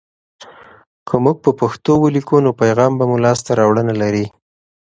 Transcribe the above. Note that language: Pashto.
که موږ په پښتو ولیکو، نو پیغام به مو لاسته راوړنه لري.